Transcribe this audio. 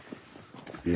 え？